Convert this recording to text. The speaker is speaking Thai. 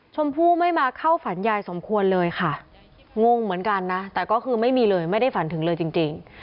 ชมพู่ไม่มาเข้าฝันยายสมควรเลยค่ะงงเหมือนกันนะแต่ก็คือไม่มีเลยไม่ได้ฝันถึงเลยจริง